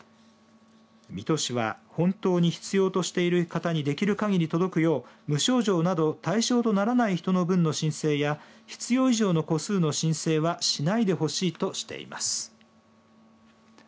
水戸市は本当に必要としている方にできる限り届くよう無症状など対象とならない人の分の申請や必要以上の個数の申請はしないでほしいとしています。